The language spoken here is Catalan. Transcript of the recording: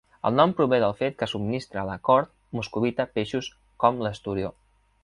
El nom prové del fet que subministrava a la cort moscovita peixos com l'esturió.